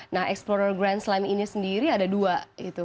nah explorer grand slam ini sendiri ada dua gitu